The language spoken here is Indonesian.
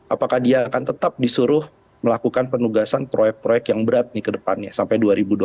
apakah dia akan tetap disuruh melakukan penugasan proyek proyek yang berat nih ke depannya sampai dua ribu dua puluh empat